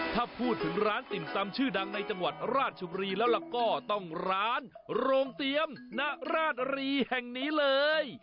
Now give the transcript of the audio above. ถ้าพูดถึงร้านติ่มซำชื่อดังในจังหวัดราชบุรีแล้วล่ะก็ต้องร้านโรงเตรียมณราชรีแห่งนี้เลย